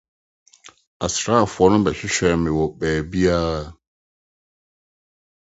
Asraafo no hwehwɛɛ me wɔ baabiara.